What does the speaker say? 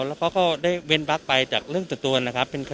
และเขาก็ได้เวียนบันไดไปจากเรื่องสัตว์ตัวนะครับ